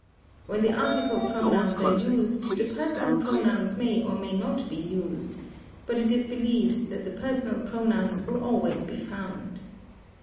When the article pronouns are used the personal pronouns may or may not be used; but it is believed that the personal pronouns will always be found.